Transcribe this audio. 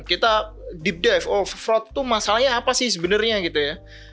kita deep dive of fraud tuh masalahnya apa sih sebenarnya gitu ya